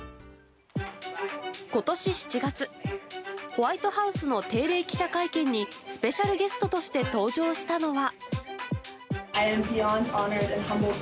今年７月ホワイトハウスの定例記者会見にスペシャルゲストとして登場したのは。